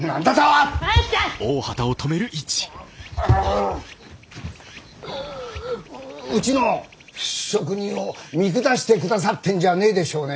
ううちの職人を見下してくださってんじゃねえでしょうね？